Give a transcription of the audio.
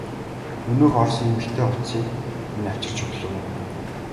Өнөөх орос эмэгтэй хувцсыг минь авчирч өглөө.